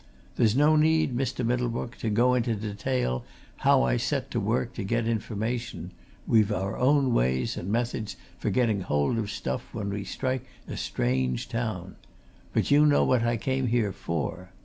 There's no need, Mr. Middlebrook, to go into detail about how I set to work to get information: we've our own ways and methods of getting hold of stuff when we strike a strange town. But you know what I came here for.